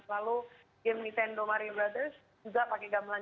lalu game nintendo mario brothers juga pakai gamelan